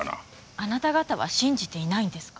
あなた方は信じていないんですか？